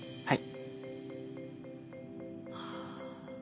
はい。